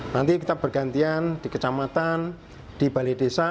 nanti kita bergantian di kecamatan di balai desa